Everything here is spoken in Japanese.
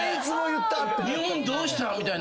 日本どうした？みたいな。